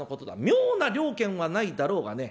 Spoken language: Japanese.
妙な了見はないだろうがね